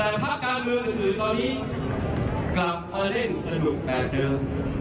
แต่ภาคการเมืองอื่นตอนนี้กลับมาเล่นสนุกแบบเดิม